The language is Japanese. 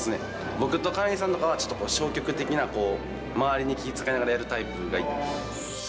僕と亀井さんとかは消極的な、周りに気を遣いながらやるタイプで。